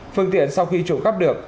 phương tiện sau khi trộm cắp được